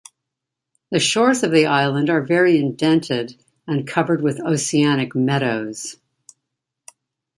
The shores of the island are very indented and covered with oceanic meadows.